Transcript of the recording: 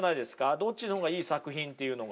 どっちの方がいい作品っていうのが。